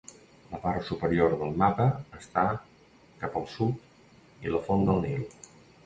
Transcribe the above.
La part superior del mapa està cap al sud i la font del Nil.